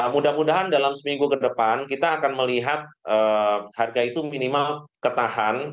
mudah mudahan dalam seminggu ke depan kita akan melihat harga itu minimal ketahan